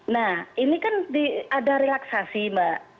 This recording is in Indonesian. nah ini kan ada relaksasi mbak